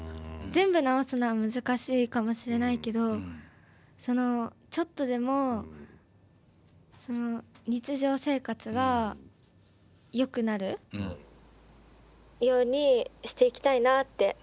全部治すのは難しいかもしれないけどそのちょっとでもその日常生活がよくなるようにしていきたいなって思ってます。